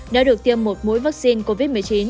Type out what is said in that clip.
đã được tiêm một mũi vaccine covid một mươi chín